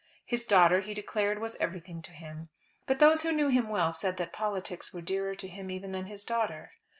His daughter he declared was everything to him. But those who knew him well said that politics were dearer to him even than his daughter.